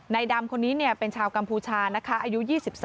ดำคนนี้เป็นชาวกัมพูชานะคะอายุ๒๓